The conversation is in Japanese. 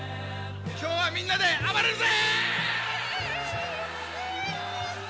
今日はみんなで暴れるぜ！